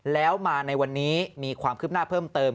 แล้วมาในวันนี้มีความคืบหน้าเพิ่มเติม